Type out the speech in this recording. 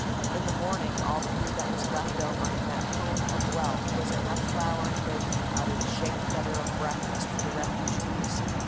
In the morning all the food that was left over in that home of wealth was enough flour and baking powder to shake together a breakfast for the refugees.